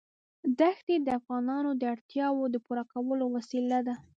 دښتې د افغانانو د اړتیاوو د پوره کولو وسیله ده.